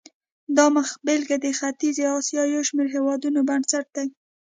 دا مخبېلګه د ختیځې اسیا یو شمېر هېوادونو بنسټ دی.